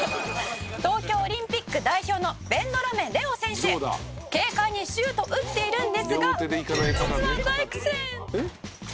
「東京オリンピック代表のベンドラメ礼生選手」「軽快にシュート打っているんですが実は大苦戦」「えっ？」